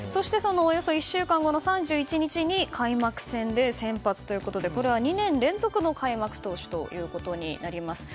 その１週間後の３１日に開幕戦で先発ということで２年連続の開幕投手ということになります。